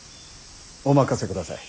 お任せください。